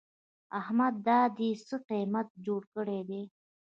احمده! دا دې څه قيامت جوړ کړی دی؟